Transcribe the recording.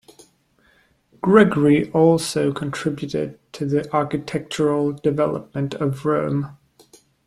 Gregory also contributed to the architectural development of Rome.